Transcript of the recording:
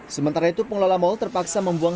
sementara itu pengelola mal terpaksa membuang